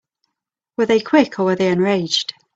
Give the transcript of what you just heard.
Were they quick or were they enraged?